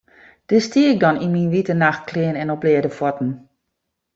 Dêr stie ik dan yn myn wite nachtklean en op bleate fuotten.